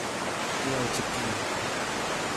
Pijoo ca piin.